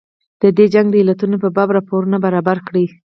د دې جنګ د علتونو په باب راپورونه برابر کړي.